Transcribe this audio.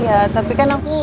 iya tapi kan aku